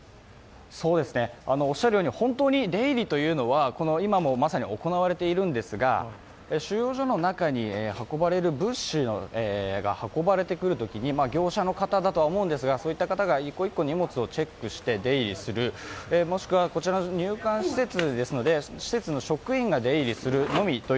本当に出入りというのは今、まさに行われているんですが収容所の中に物資が運ばれてくるときに業者の方だとは思うんですがそういった方が１個１個確認して出入りする、もしくはこちら入管施設ですので施設の職員が出入りするのみ。